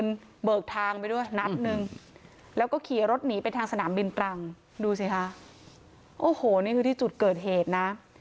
นัดนึงแล้วก็ขี่รถหนีไปทางสนามบิลตรังดูสิค่ะโอ้โหเนี่ยคือที่จุดเกิดเหตุนะ